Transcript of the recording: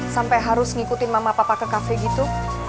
sampai harus ngikutin mama papa ke kafe gitu